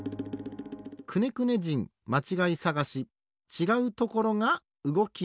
「くねくね人まちがいさがし」ちがうところがうごきます。